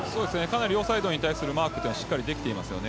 両サイドに対するマークがしっかりできています。